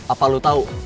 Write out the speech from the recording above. apa lo tau